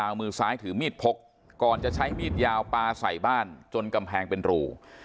เอามือซ้ายถือมีดพกก่อนจะใช้มีดยาวปลาใส่บ้านจนกำแพงเป็นรู